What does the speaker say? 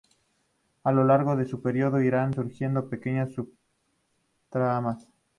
A lo largo de su periplo irán surgiendo pequeñas subtramas.